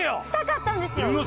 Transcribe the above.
したかったんですよ。